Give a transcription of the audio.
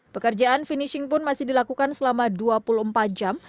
pekerjaan finishing pun masih dilakukan selama dua puluh empat jam